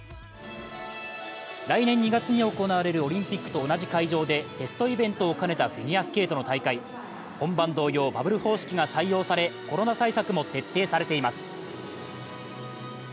来年２月に行われるオリンピックと同じ会場でテストイベントを兼ねたフィギュアスケートの大会本番同様バブル方式が採用され、コロナ対策も徹底されています。